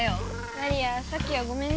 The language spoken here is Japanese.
マリアさっきはごめんね。